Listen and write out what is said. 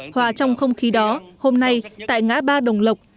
hòa trong không khí đó hôm nay tại ngã ba đồng lộc